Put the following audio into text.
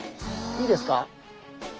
いいですか？